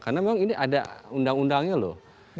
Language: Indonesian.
karena memang ini ada undang undangnya loh